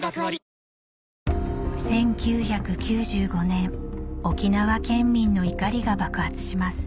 １９９５年沖縄県民の怒りが爆発します